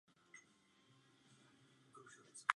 Hlasování se bude konat během březnového dílčího zasedání.